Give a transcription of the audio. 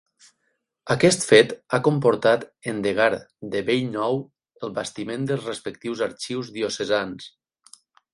Aquest fet ha comportat endegar de bell nou el bastiment dels respectius arxius diocesans.